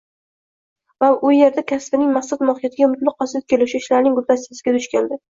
Va u yerda kasbining maqsad-mohiyatiga mutlaqo zid keluvchi ishlarning “guldastasi”ga duch keldi.